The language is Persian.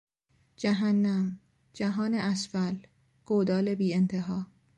جهنم، جهان اسفل، گودال بیانتها